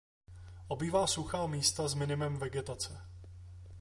Obývá suchá místa s minimem vegetace.